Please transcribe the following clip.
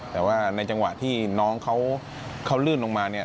แต่ว่าในจังหวะที่น้องเขาลื่นลงมาเนี่ย